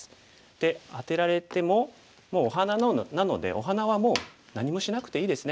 でアテられてももうお花なのでお花はもう何もしなくていいですね。